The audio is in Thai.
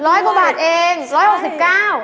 กว่าบาทเองร้อยหกสิบเก้า